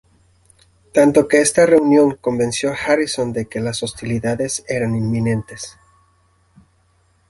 Tanto que esta reunión convenció a Harrison de que las hostilidades eran inminentes.